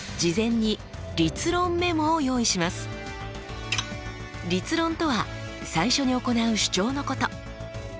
立論とは最初に行う主張のこと。